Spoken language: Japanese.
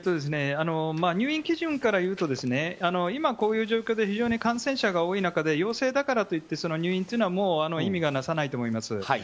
入院基準からいうと今、こういう状況で非常に感染者が多い中で要請だからといって入院というのは意味をなさないと思います。